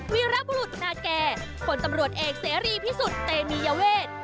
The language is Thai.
วีรบุรุษนาแก่ผลตำรวจเอกเสรีพิสุทธิ์เตมียเวท